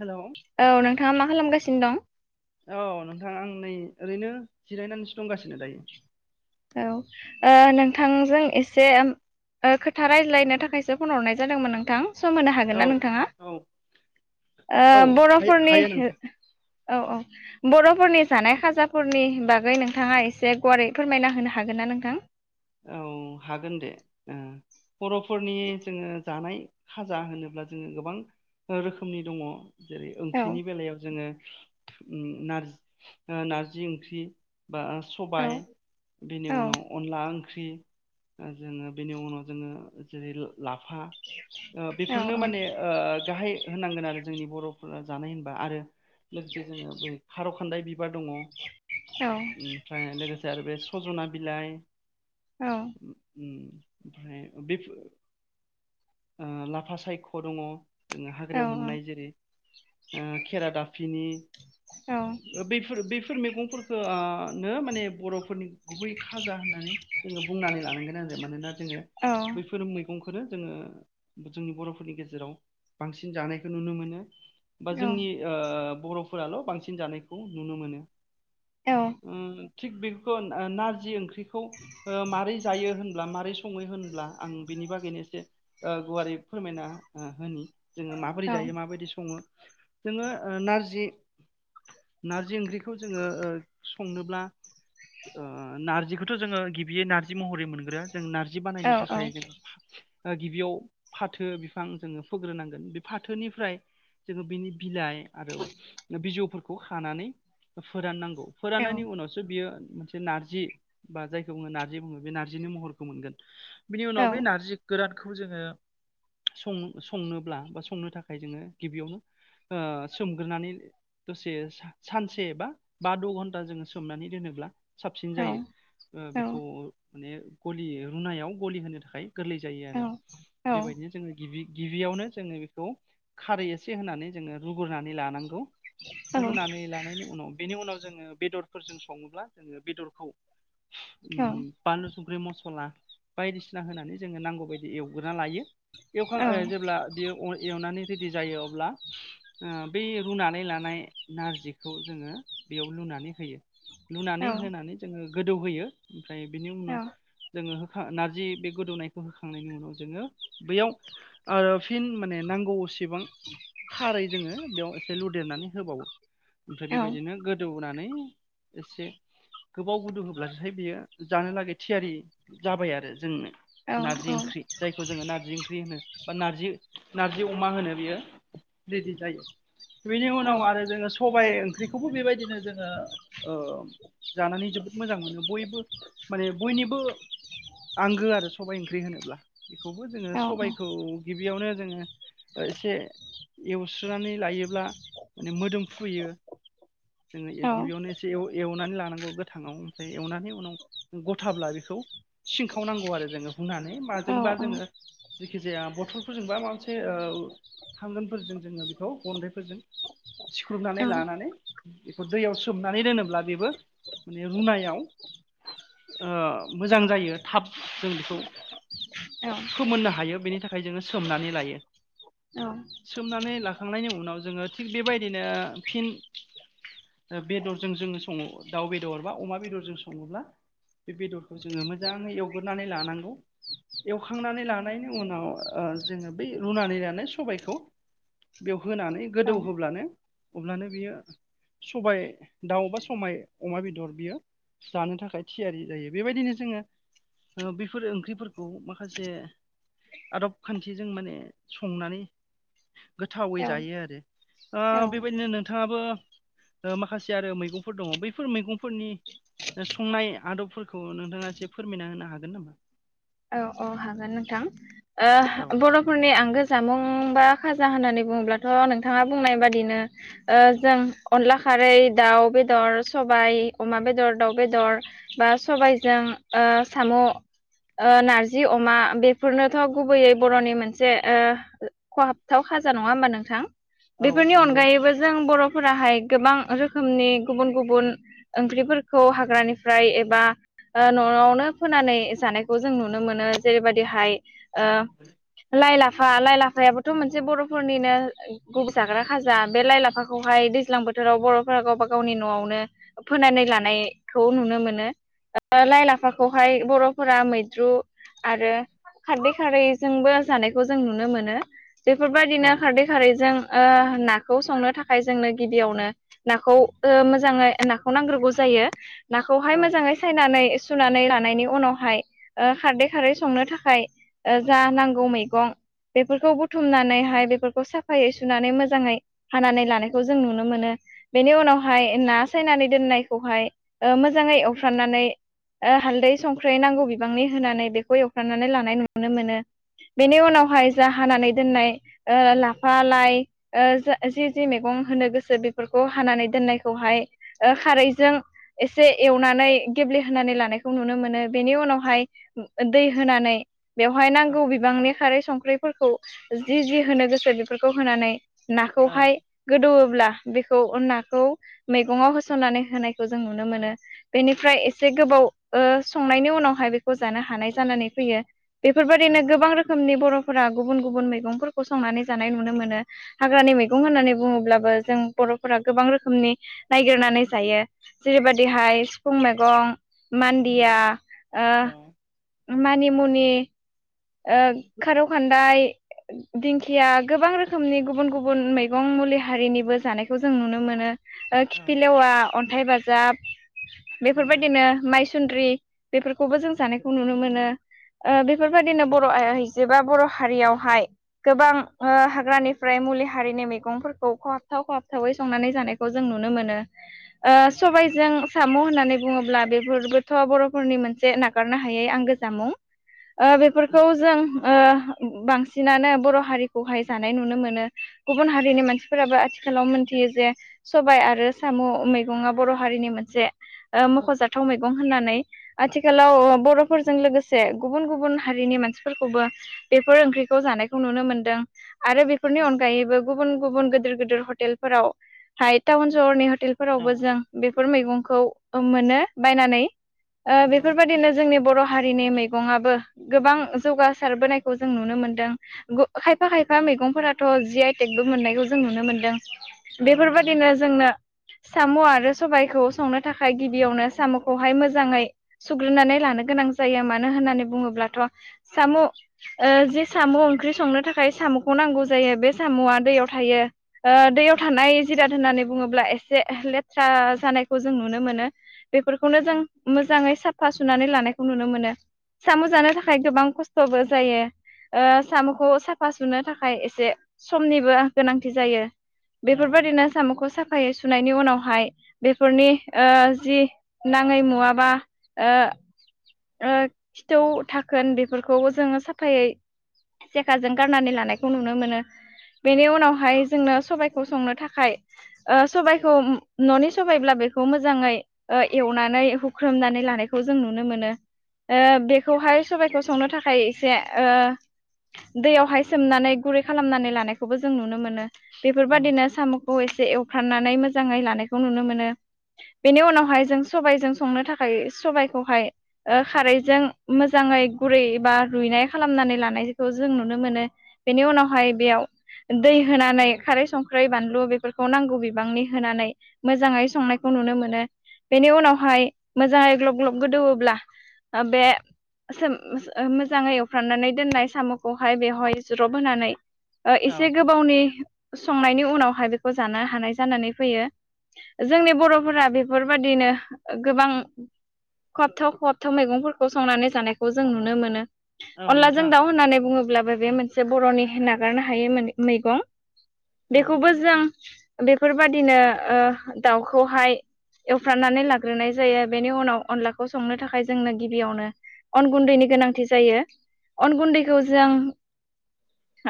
हेल' औ औ नोंथांङा मा खालामगासिनो दं? औ नोंथां आं नै ओरैनो जिरायनानसो दंगासिनो दायो। औ ओ नोंथांजों एसेम ओ खोथा रायज्लायनो थाखायसो फन हरनाय जादोंमोन नोंथां। सम होनो हागोन औ ना नोंथांङा औ ओ औ हाय- बर'फोरनि हायो नोंथां औ औ बर'फोरनि जानाय खाजाफोरनि बागै नोंथाङा एसे गुवारै फोरमायना होनो हागोन ना नोंथां। औ हागोन दे ओ बर'फोरनि जोंङो जानाय खाजा होनोब्ला जोंङो गोबां रोखोमनि दंङ। जेरै औ ओंख्रिनि बेलायाव जोंङो थु उम्म नारज ओ नारजि ओंख्रि। बा औ सबाय बिनि औ उनाव अनला ओं ख्रि जोङो बेनि उनाव जोङो जेरै लाफा ओ औ बेफोरनो माने ओ गाहाय होननांगोन आरो। जोंनि बर'फोरा जानाय होनबा आरो लोगोसे जोंङो बे खार खानदाय बिब बार दङ औ ओमफ्राय लोगोसे आरो बे सजना बिलाइ औ उ ओम। ओमफ्राय बेफ ओ लाफा सायख' दङ। जोङो औ हाग्रायाव मोननाय जेरै ओ खेरा दाफिनि औ ओ बिफोर बिफ फोर मैगंफोरखो ओ नो माने बर'फोरनि गुबै खाजा होननानै नानै लानांगोन आरो मानोना जोङो औ बैफोर मैगंखौ फोरो जोङो जोंनि बर'फोरनि गेजेराव बांसिन जानायखौ नुनो मोनो। बा जोंनि ओ बर'फोराल' बांसिन जानायखौ नुनो मोनो। औ ओ थिग बेफोरखौ नारजि ओंख्रिखौ ओ मारै जायो होनब्ला माबोरै सङो होनब्ला आं बिनि बागैनो एसे ओ गुवारै फोरमायना होनि जोङो माबोरै जायो माबायदि सङो जोङो नारजि नारजि ओंख्रिखौ जोङो ओ संनोब्ला ओ नारजिखोथ' जोङो गि बियो नारजि महरै मोनग्रोआ जों नार्जि बानायनो औ औ थाखाय जों गिबियाव फाथो बिफां जोङो फोग्रोनांगोन बे फाथोनिफ्राय जोङो बिनि बिलाइ आरो बिजौफोरखौ खानानै फोराननांगौ फोराननायनि उनावसो बियो मोनसे नार्जि बा जायखौ बुङो नार्जि बुङो बे नारजिनि महरखौ मोनगोन। बिनि उनाव बे नारजि गोरानखौ जोङो सं संनोब्ला बा संनो थाखाय जोङो गिबियावनो ओ सोमग्रोनानै दसे सानसे बा बा द' घन्टा जोङो सोमनानै दोनोब्ला साबसिन औ जायो ओ बिखौ माने गलियो रुनायाव गलि होनो थाखाय। गोरलै जायो आरो बेबायदिनो जोङो गिबि गिबियावनो जोङो बेखौ खारै एसे होनानै जोङो रुगुरनानै लानांगौ रुनानै लानायनि उनाव बेनि उनाव जोङो बेथरफोरजो सङोबा जोङो बेदरखौ ओम बानलु सुंख्रि मसला बायदिसिना होनानै जोङो नांगौ बायदि एवग्रो ना लायोएवखां जेब्ला बियो एवनानै रेडि जायो अब्ला बै रुनानै लानाय नारजिखौ जोङो बेयाव लुनानै होयो। लुनानै औ होनानै जोङो गोदौहोयो ओमफ्राय बिनि उनाव औ जोङो खा नारजि बे गोदौनायखौ होखांनायनि उनाव जोङो बैयाव अ फिन माने नांगौ सेबां खारै जोङो बेयाव एसे लुदेरनानै होबावो ओमफ्राय औ बेबायदिनो गोदौहोनानै से गोबाव गुदु होब्लासो थाय बियो जानोलागै थियारि जाबाय आरो जोंनो। नारजि ओंख्रि जायखौ जोङो नारजि ओंख्रि होनो। बा नारजि नार्जि अमा होनो बियो रेडि जायो। बेनि उनाव औ आरो जोङो सबाय ओंख्रिखौबो बेबायदिनो जोङो अ जानानै जोबो मोजां मोनो बयबो माने बयनिबो आंगो आरो सबबाय ओंख्रि होनोब्ला बेखौबो जोङो औ सबायखौ गिबियावनो जोङो एसे एवस्रोनानै लायोब्ला माने मोदोमफ्रोयो जोङो औ गिबियावनो एसे एव एवनानै लानांगौ गोथाङाव ओमफ्राय एवनानै उनाव गथाब्ला बेखौ सिंखावनांगौ आरो जोङो हुनानै औ माजोंबा जोङो जेखि जाया बथलफोरजोंबा माबा मोनसे अ थांगोनफोरजों जोङो बेखौ अनन्दाइफोरजों सिख्रुबनानै लानानै बेखौ दैयाव सोमनानै दोनोब्ला बेबो माने रुनायाव ओ मोजां जायो थाब जों बेखौ फोमोननो हायो बेनि थाखाय जोङो सोमनानै लायो। सोमनानै लाखांनायनि उनाव जोङो थिग बेबायदिनो फिन बेदरजों जोङो सङो दाउ बेदर बा अमा बेदरजों स सङोब्ला बे बेदरखौ जोङो मोजाङै एवगोरोनानै लानांगौ एवखांनानै लानायनि उनाव जोङो बै रुनानै लानाय सबायखौ बेयाव होनानै गोदौ होब्लानो अब्लानो बियो सबाय दाउ बा समबाय अमा बेदर बियो जानो थाखाय थियारि जायो बेबायदिनो जोङो बेफोर ओंख्रिफोरखौ माखासे आदब खान्थिजों माने संनानै गोथावै जायो आरो। औ बेबायदिनो नोंथाङाबो माखासे आरो मैगंफोर दङ बैफोर मैगंफोरनि संनाय आदबफोरखौ नोंथाङा एसे फोरमायना होनो हागोन नामा? औ हागोन नोंथां। औ ओ बर'फोरनि आंगो जामुं बा खाजा होननानै बुङोब्लाथ' नोंथाङा बुंनाय बादिनो ओ जों अनला खारै दाउ बेदर सबाय अमा बेदर दाउ बेदर बा सबायजों ओ साम' ओ नार जि अमा बेफोरनोथ' गुबैयै बर'नि मोनसे ओ खहाबथाव खाजा नङा होमबा नोंथां? औ बेफोरनि नंगौ अनगायैबो जों बर' फोराहाय गोबां रोखोमनि गुबुन गुबुन ओंख्रिफोरखौ हाग्रानिफ्राय एबा न'आवनो फोनानै जानायखौ जों नुयो नुनो मोनो जेरैबायदिहाय ओ लाय ला फा लाइ लाफायाबोथ' मोनसे बर'फोरनिनो गुब जाग्रा खाजा बे लाइ लाफाखौहाय दैज्लां बोथोर बोथोराव बर'फोरा गावबा गावनि न'आवनो फोनानै लानायखौ नुनो मोनो लाइ लाफाखौहाय बर'फोरा मैद्रु आरो खारदै खारैजोंबो जानायखौ जों नुनो मोनो। बेफोरबायदिनो औ खारदै खारैजों ओ होनना नाखौ संनो थाखाय जोंनो गिबियावनो नाखौ मोजाङै नाखौ नांग्रोगौ जायो। ना खौहाय औ मोजाङै सायनानै सुनानै लानायनि उनावहाय ओ खारदै खारै संनो थाखाय जा नांगौ मैगं बेफोरखौ बुथुमनानैहाय बेफोरखौ साफायै सुनानै मोजाङै हानानै लानायखौ जों नुनो मोनो। बेनि उनावहाय ना सायनानै दोननायखौहाय मोजाङै एवफ्राननानै ओ हालदै संख्रै नांगौ बिबांनि होनानै बेखौ एवफ्रनानै लानाय नुनो मोनो। बेनि उनावहाय जा हानानै दोननाय ओ लाफा लाइ जि जि मैगं होनो गोसो बेफोरखौ हानानै दोननायखौहाय खारैजों एसे एवनानै गेब्लेहानै लानायखौ नुनो मोनो बेनि उनावहाय दै होनानै बेवहाय औ नांगौ बिबांनि खारै संख्रि फोरखौ जि होनो गोसो बेफोरखौ होनानै औ नाखौहाय गोदौओब्ला बेखौ नाखौ मैगङाव होसननानै होनायखौ जों नुनो मोनो बेनिफ्राय एसे गोबाव ओ संनायनि उनावहाय बेखौ जानो हानाय जानानै फैयो औ बेफोरबायदिनो गोबां रोखोमनि बर' गुबुन गुबुन मैगंफोरखौ संनानै जानाय नुनो मोनो हाग्रानि मैगं होननानै बुङोब्लाबो जों बर' बर'फोरा गोबां रोखोमनि नायागिरनानै जायो जेरैबायदिहाय सिफुं मैगं नंगौ मान्दिया ओ- औ मानिमुनि ओ खारौ खान्दाय दिंखिया गोबां रोखोमनि गुबुन गुबुन मैगं मुलि हारिनिबो जानायखौ जों नुनो मोनो। औ खिथि लेवा अन्थाइ बाजाब नंगौ बेफोरबायदिनो माइ सुन्द्रि बेफोरखौबो जों जानायखौ नुनो मोनो। ओ बेफोर बायदिनो बर' आइजोबा बर' हारियावहाय गोबां ओ हाग्रानिफ्राय मुलि हारिनि मैगंफोरखौ खहाबथाव खहाबथावै संनानै जानायखौ जों नुनो मोनो। ओ औ सबबायजों साम' होननानै बुङोब्ला बेफोरबोथ' बर'फोरनि मोनसे नागारनो हायै आंगो जामुं। ओ बेफोरखौ जों ओ बांसिनानो बर' हारिखौहाय जानाय नुनो मोनो। गुबुन हारिनि मानसिफोराबो आथिखालाव मोनथियो जे सबाय आरो साम' मैगङा बर' हारिनि मोनसे ओ मख'जाथाव मैगं होन नानै आथिखालाव ओ बर'फोरजों लोगोसे गुबुन-गुबुन हारिनि मानसिफोरखौबो बेफोर ओंख्रिखौ जानायखौ नुनो मोनदों। आरो बेफोरनि अनगायैबो- गुबुन-गुबुन, गोदोर- गोदोर हटेलफोरावहाय टाउन-सहरनि- औ हटेलफोरावबो जों बेफोर मैगंखौ ओ मोनो बायनानै। ओ नंगौ बेफोरबायदिनो जोंनि बर' हारिनि मैगंआबो गोबां जौगासारबोनायखौ जों नुनो मोनदों। गु-खायफा-खायफा मैगंफोराथ' जि आइ टेक बो मोननायखौ जों नुनो मोनदों। औ नंगौ बेफोरबायदिनो जोंनो साम' आरो सबायखौ संनो थाखाय गिबियावनो साम'खौहाय मोजाङै सुग्रोनानै ला नो गोनां जायो। मानो होननानै बुङोब्ला थ' साम' ओ जि साम' ओंख्रि संनो थाखाय साम'खौ नांगौ जायो बे साम'आ दै याव थायो ओ दैयाव थानाय जिराद होननानै बुङोब्ला एसे लेथ्रा जानायखौ जों नुनो मोनो, बेफोरखौनो जों मोजाङै साफा सुनानै लानायखौ नुनो मोनो। साम' जानो थाखा य गोबां खस्थ'बो जायो। ओ साम'खौ साफा सुनो थाखाय एसे समनिबो गोनांथि जायो। औ बेफोरबायदिनो साम'खौ सफायै सुनाय नि उनावहाय बेफोरनि ओ जि नाङै मुवा बा ओ ओ खिथौ धाखोन बेफोरखौ जोङो साफायै सेखाजों गारनानै लानायखौ नुनो मोनो। बेनि उनावहाय जोंनो सबायखौ संनो थाखाय ओ सबायखौ न'नि सबायब्ला बे खौ मोजाङै ओ एवनानै हुख्रोमनानै लानायखौ जों नुनो मोनो। ओ बेखौहाय सबाइखौ संनो थाखाय एसे ओ दैयावहाय सोमनानै गुरै खालामनानै लानायखौबो जों नुनो मो नो बेफोरबादिनो साम'खौ एसे एवफ्रामनानै मोजाङै लानायखौ नुनो मोनो। बेनि उनावहाय जों सबायजों संनो थाखाय सबायखौहाय ओ खारैजों मोज मोजाङै गुरै बा रुइनाय खालामनानै लानायखौ जों नुनो मोनो बेनि उनावहाय बेयाव दै होनानै खारै, संख्रै, बानलु बेफोरखौ नांगौ बिबांनि होनानै मोजाङै संनायखौ खौ नुनो मोनो बेनि उनावहाय मोजाङै ग्लब ग्लब गोदौवोब्ला ओ बे सेम ओ मोजाङै एवफ्रामनानै दोननाय साम'खौहाय बेवहाय ज्रब होनानै ओ औ एसे गोबावनि संनायनि उनावहाय बेखौ जानो हानाय जानानै फैयो। जोंनि बर'फोरा बेफोरबादिनो ओ गोबां खहाबथाव खहाबथाव मैगंफोरखौ संनानै जानाय खौ जों नुनो मोनो औ अनला जों नोंथां दाउ होननानै बुङोब्लाबो औ बे मोनसे बर'नि होनना हागारनो हायो मैगं औ बेखौबो जों बेफोरबायादिनो ओ दाउखौहाय एवफ्रामनानै लाग्रोनाय जायो बेनि उनाव अनलाखौ संनो थाखाय जोंनो गिबियावनो अन गुन्दैनि गोनांथि जायो अन गुन्दैखौ जों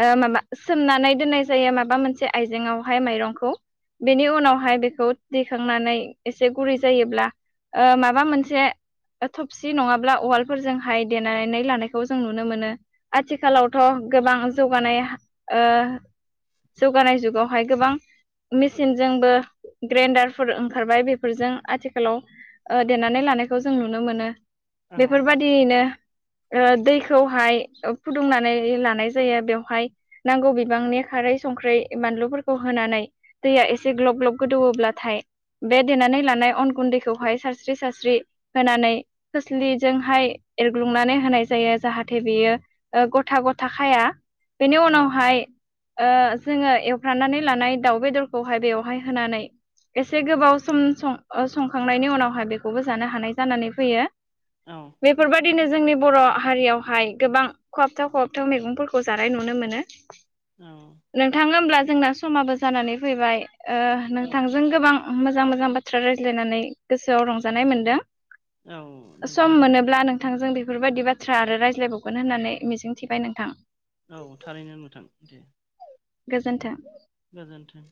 ओ माबा सोमनानै दोननाय जायो माबा मोनसे आयजें आवहाय माइरंखौ बेनि उनावहाय बेखौ दैखांनानै एसे गुरै जायोब्ला ओ माबा मोनसे थबसि नङाब्ला उवाल फोरजोंहाय देनानै लानायखौ जों नुनो मोनो आथिखालावथ' गोबां नंगौ जौगानाय ओ जौगानाय जुगावहाय गोबां मेसिनजोंबो ग्रेन्डारफोर ओंखारबाय बेफोरजों आथिखालाव ओ देनानै लानायखौ जों नुनो मोनो। औ बेफोरबायदियैनो ओ दैखौहाय ओ फुदुंनानै लानाय जायो बेवहाय नांगौ बिबांनि खारै संख्रि बानलुफोरखौ होनानै दैया एसे ग्लब ग्लब गोदौवोब्लाथाय बे देनानै लानाय अन गुन्दैखौहाय सारस्रि सारस्रि होनानै खोस्लि जोंहाय एरग्लुंनानै होनाय जायो जाहाथे बियो ओ गथा गथ खाया बेनि औ उनावहाय ओ जोङो एवफ्रानानै लानाय दाउ बेदरखौहाय बेवहाय होनानै एसे गोबाव सम सं अ संखांनायनि उनावहाय बेखौबो जानो हानाय जानानै फैयो। औ बेफोरबायदिनो जोंनि बर' हारियावहाय गोबां खहाबथाव खहाबथाव मैगंफोरखौ जानाय नुनो मोनो। नोंथाङा होमब्ला जोंना समाबो जानानै फैबाय। ओ नोंथांजों गोबां मोजां मोजां बाथ्रा रायज्लायनानै गोसोआव रंजानाय मोनदों। औ। सम नोंथां मोनोब्ला नोंथांजों बेफोरबायदि बाथ्रा आरो रायज्लायबावगोन होननानै मिजिंथिबाय नोंथां। औ थारैनो नोंथां दे। गोजोनथों। गोजोनथों।